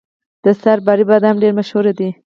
د ستاربای بادام ډیر مشهور دي.